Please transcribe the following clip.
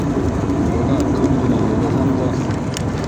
Бына көн генә йылыһын да...